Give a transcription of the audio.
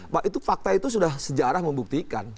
nah itu fakta itu sudah sejarah membuktikan